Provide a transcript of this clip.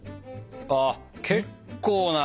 ああ結構な。